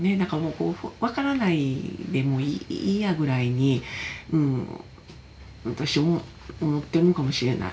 「分からないでもいいや」ぐらいに私思ってるのかもしれない。